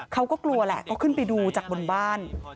เขาก็กลัวแหละก็ขึ้นไปดูจากบนบ้าน